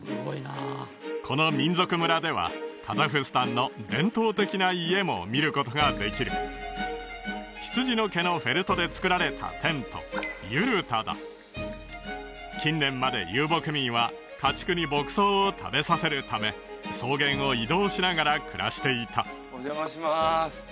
この民族村ではカザフスタンの伝統的な家も見ることができる羊の毛のフェルトでつくられたテントユルタだ近年まで遊牧民は家畜に牧草を食べさせるため草原を移動しながら暮らしていたお邪魔します